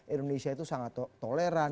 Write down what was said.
indonesia itu sangat toleran